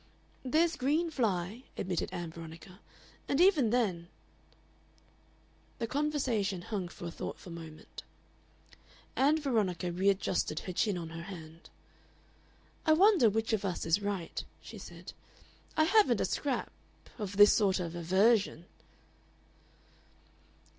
"There's green fly," admitted Ann Veronica. "And even then " The conversation hung for a thoughtful moment. Ann Veronica readjusted her chin on her hand. "I wonder which of us is right," she said. "I haven't a scrap of this sort of aversion."